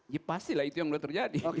ya pastilah itu yang boleh terjadi